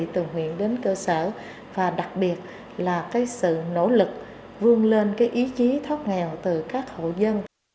từ huyện đến cơ sở và đặc biệt là sự nỗ lực vươn lên ý chí thoát nghèo từ các hộ dân